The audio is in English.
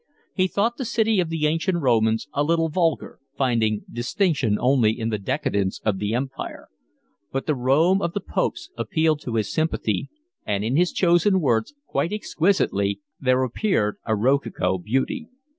He thought the city of the ancient Romans a little vulgar, finding distinction only in the decadence of the Empire; but the Rome of the Popes appealed to his sympathy, and in his chosen words, quite exquisitely, there appeared a rococo beauty.